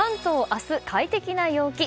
明日、快適な陽気。